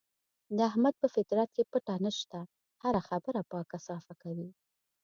د احمد په فطرت کې پټه نشته، هره خبره پاکه صافه کوي.